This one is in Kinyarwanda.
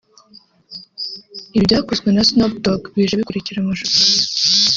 Ibi byakozwe na Snoop Dogg bije bikurikira amashusho ya